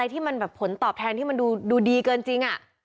ที่มันแบบผลตอบแทนที่มันดูดีเกินจริง